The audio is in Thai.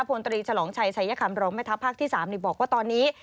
พลตรีฉลองชัยชัยคำรองแม่ทัพภาคที่๓บอกว่าตอนนี้